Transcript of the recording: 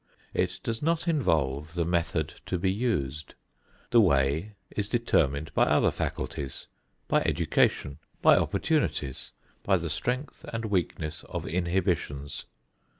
It does not involve the method to be used. The way is determined by other faculties, by education, by opportunities, by the strength and weakness of inhibitions.